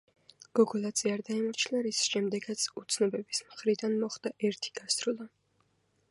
გოგოლაძე არ დაემორჩილა, რის შემდეგაც უცნობების მხრიდან მოხდა ერთი გასროლა.